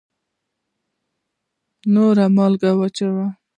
نوره مالګه واچوئ